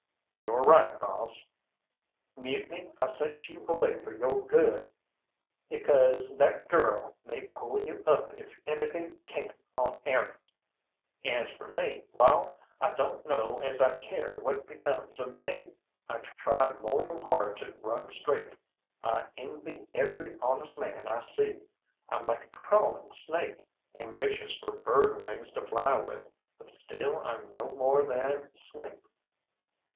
"You're right, boss." "Mutiny, I sent you away for yo' good, 'ecause that girl may pull you up if anything can on airth. As for me, wall, I don't know as I care what becomes of me. I tried to turn good one't tried mortal hard to run straight. I envy every honest man I see. I'm like a crawling snake, ambitious for bird wings to fly with; but still I'm no more than snake."